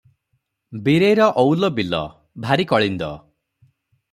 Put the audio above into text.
ବୀରେଇର ଅଉଲ ବିଲ- ଭାରି କଳିନ୍ଦ ।